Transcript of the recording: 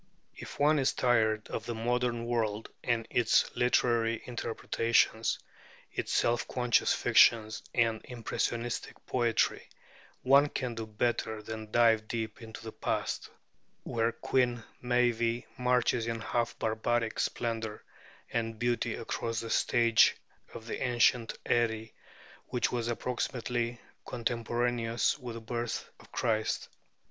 If one is tired of the modern world and its literary interpretations, its self conscious fictions and impressionistic poetry, one cannot do better than dive deep into the past, where Queen Meave marches in half barbaric splendor and beauty across the stage of the ancient Eri, which was approximately contemporaneous with the birth of Christ.